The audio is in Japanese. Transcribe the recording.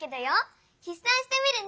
ひっ算してみるね。